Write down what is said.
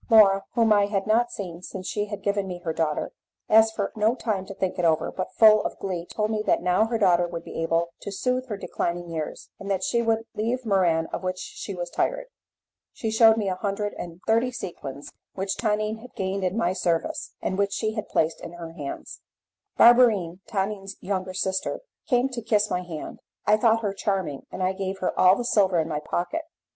Laura, whom I had not seen since she had given me her daughter, asked for no time to think it over, but full of glee told me that now her daughter would be able to soothe her declining years, and that she would leave Muran of which she was tired. She shewed me a hundred and thirty sequins which Tonine had gained in my service, and which she had placed in her hands. Barberine, Tonine's younger sister, came to kiss my hand. I thought her charming, and I gave her all the silver in my pocket.